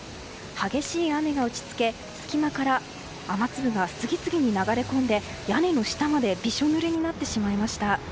激しい雨が打ち付け隙間から雨粒が次々に流れ込んで、屋根の下までびしょぬれになってしまいました。